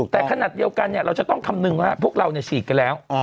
แต่ขนาดเดียวกันเราจะต้องคำนึงว่าพวกเราฉีดกันแล้ว